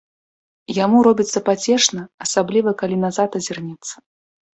Яму робіцца пацешна, асабліва калі назад азірнецца.